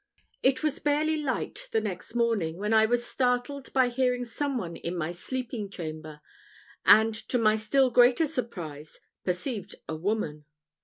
It was barely light the next morning, when I was startled by hearing some one in my sleeping chamber, and to my still greater surprise perceived a woman.